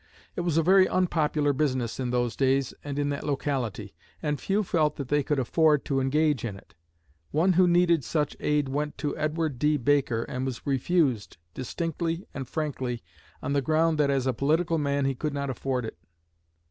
It was a very unpopular business in those days and in that locality; and few felt that they could afford to engage in it. One who needed such aid went to Edward D. Baker, and was refused, distinctly and frankly on the ground that as a political man he could not afford it.